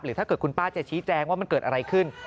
ถ้าเกิดคุณป้าจะชี้แจงว่ามันเกิดอะไรขึ้น